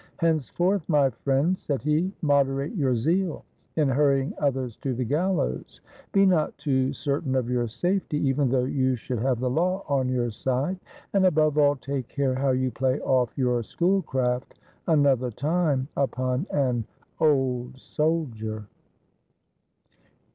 "Hence forth, my friend," said he, "moderate your zeal in hurrying others to the gallows; be not too certain of your safety, even though you should have the law on your side ; and above all take care how you play off your Schoolcraft another time upon an old soldier."